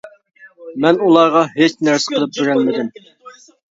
مەن ئۇلارغا ھېچ نەرسە قىلىپ بېرەلمىدىم.